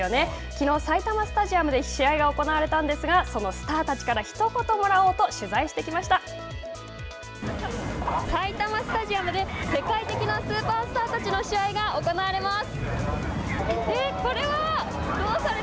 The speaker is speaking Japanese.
きのう、埼玉スタジアムで試合が行われたんですがそのスターたちからひと言もらおうと埼玉スタジアムで世界的なスーパースターたちの試合が行われます。